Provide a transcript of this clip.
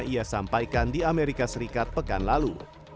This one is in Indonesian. ia sampaikan di amerika serikat pekan lalu